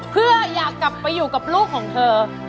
เพื่ออยากกลับไปอยู่กับลูกของเธอ